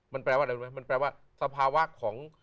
มันแปลว่าอะไรรู้ไหมมันแปลว่าสภาวะของ